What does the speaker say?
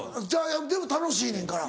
でも楽しいねんから。